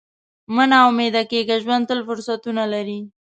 مه نا امیده کېږه، ژوند تل فرصتونه لري.